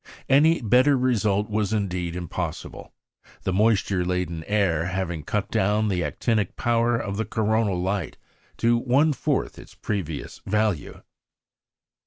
Any better result was indeed impossible, the moisture laden air having cut down the actinic power of the coronal light to one fourth its previous value.